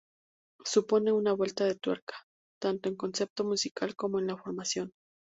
Supone una vuelta de tuerca, tanto en concepto musical, como en la formación.